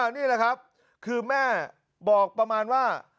นี่แหละครับคือแม่บอกประมาณว่า